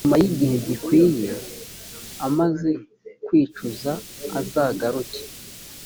nyuma y igihe gikwiye amaze kwicuza azagaruke